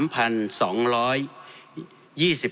๓พัน๒ร้อย